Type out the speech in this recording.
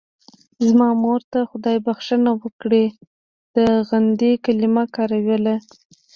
زما مور ته خدای بښنه وکړي د غندنې کلمه کاروله.